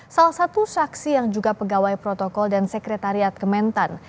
salah satu saksi yang juga pegawai protokol dan sekretariat kementan